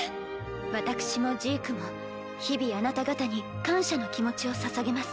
私もジークも日々あなた方に感謝の気持ちをささげます。